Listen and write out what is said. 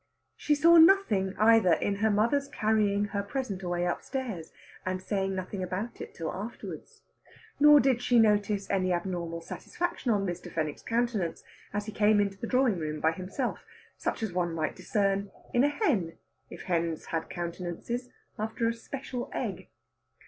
She saw nothing, either, in her mother's carrying her present away upstairs, and saying nothing about it till afterwards. Nor did she notice any abnormal satisfaction on Mr. Fenwick's countenance as he came into the drawing room by himself, such as one might discern in a hen if hens had countenances after a special egg.